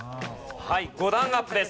はい５段アップです。